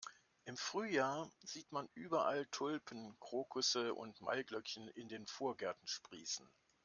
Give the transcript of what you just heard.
Im Frühjahr sieht man überall Tulpen, Krokusse und Maiglöckchen in den Vorgärten sprießen.